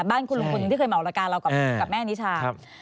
บ้านคุณลุงคุณที่เคยเหมาระการเรากับแม่นิชา